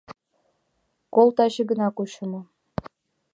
Кол таче гына кучымо.